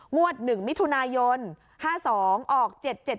งวด๑มิถุนายน๕๒ออก๗๗